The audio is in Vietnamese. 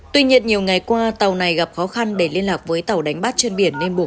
tuy nhiên nhiều ngày qua tàu này gặp khó khăn để liên lạc với tàu đánh bắt trên biển liên bộ